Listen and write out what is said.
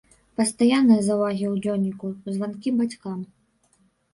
Пастаянныя заўвагі ў дзённіку, званкі бацькам.